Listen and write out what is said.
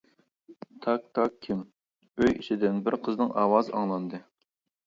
تاك-تاك-كىم؟ ئۆي ئىچىدىن بىر قىزنىڭ ئاۋازى ئاڭلاندى.